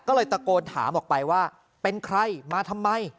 ก็เลยตะโกนถามออกไปว่าเป็นใครมาทำไม